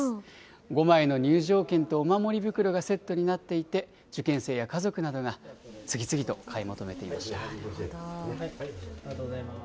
５枚の入場券とお守り袋がセットになっていて、受験生や家族などが次々と買い求めていました。